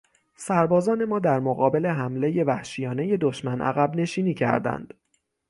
سربازان ما در مقابل حملهی وحشیانهی دشمن عقبنشینی کردند.